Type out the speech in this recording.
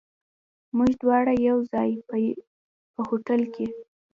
موږ دواړه یو ځای، په هوټل کې.